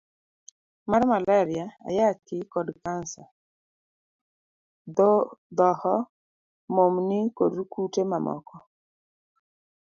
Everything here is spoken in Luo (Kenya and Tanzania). C. mar Maleria, Ayaki, kod kansa D. Dhoho, momni, kod kute mamoko.